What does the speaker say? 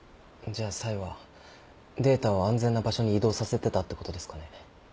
じゃあサイはデータを安全な場所に移動させてたってことですかね？